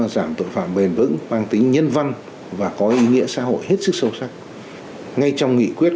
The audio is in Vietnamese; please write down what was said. giảm tội phạm bền vững mang tính nhân văn và có ý nghĩa xã hội hết sức sâu sắc ngay trong nghị quyết